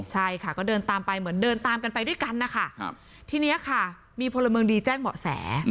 ใช่ค่ะก็เดินตามไปเหมือนเดินตามกันไปด้วยกันนะคะทีนี้ค่ะมีพลเมืองดีแจ้งเบาะแส